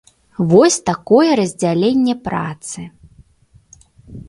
Вось такое раздзяленне працы.